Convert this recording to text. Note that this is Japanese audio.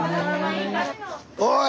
おい！